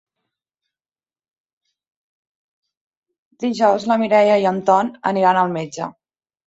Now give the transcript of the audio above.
Dijous na Mireia i en Tom aniran al metge.